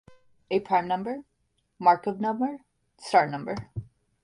A prime number, Markov number, star number.